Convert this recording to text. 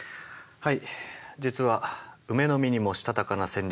はい。